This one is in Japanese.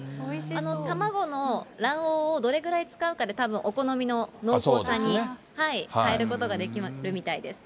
卵の卵黄をどれぐらい使うかで、たぶんお好みの濃厚さに変えることができるみたいです。